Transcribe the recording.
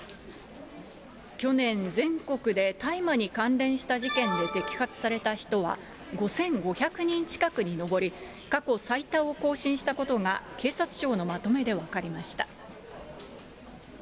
去年、全国で大麻に関連した事件で摘発された人は、５５００人近くに上り、過去最多を更新したことが警察庁のまとめで分かりました。